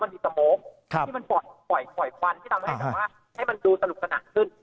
มันมีสโมกครับที่มันปล่อยปล่อยควันที่ทำให้เราว่าให้มันดูสนุกสนับขึ้น